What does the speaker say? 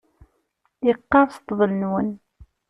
Yeqqerṣ ṭṭbel-nwen.